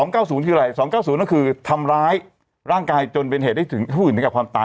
๙๐คืออะไร๒๙๐ก็คือทำร้ายร่างกายจนเป็นเหตุให้ถึงผู้อื่นถึงกับความตาย